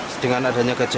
sedangkan adanya kecil